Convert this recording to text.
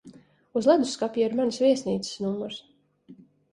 Uz ledusskapja ir manas viesnīcas numurs.